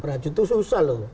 meracut itu susah loh